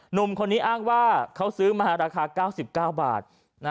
หนุ่มคนนี้อ้างว่าเขาซื้อมาราคา๙๙บาท